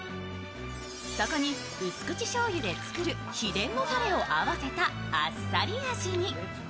そこに薄口醤油で作る秘伝のたれを合わせたあっさり味に。